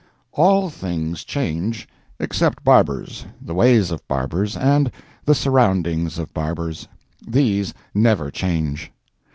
All things change except barbers, the ways of barbers, and the surroundings of barbers. These never change.